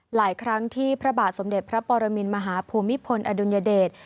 หลายครั้งที่พระบาทสมเด็จพระปรมินมหาภูมิพลอดุลยเดช